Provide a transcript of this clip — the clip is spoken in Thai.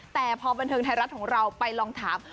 แต่พอบันเทิงไทยรัฐของเราไปลองถาม